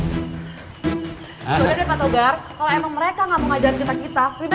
kalau emang mereka nggak mau ngajarin kita kita